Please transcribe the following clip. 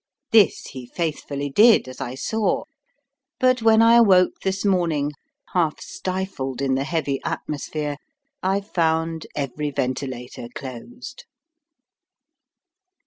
This he faithfully did, as I saw, but when I awoke this morning, half stifled in the heavy atmosphere, I found every ventilator closed.